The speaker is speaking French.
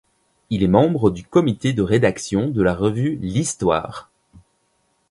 Il est membre du comité de rédaction de la revue L'Histoire.